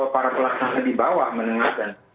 para pelaksana di bawah menengahkan